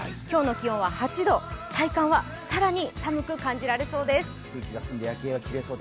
今日の気温は８度、体感は更に寒く感じられそうです。